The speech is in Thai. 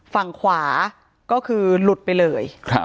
ฝั่งขวาก็คือหลุดไปเลย